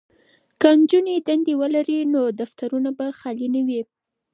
که نجونې دندې ولري نو دفترونه به خالي نه وي.